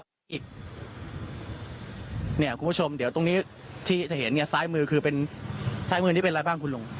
คุณผู้ชมเดี๋ยวตรงนี้ที่จะเห็นเนี่ยซ้ายมือคือเป็นซ้ายมือนี้เป็นอะไรบ้างคุณลุง